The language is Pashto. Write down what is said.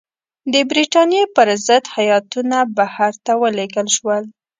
د برټانیې پر ضد هیاتونه بهر ته ولېږل شول.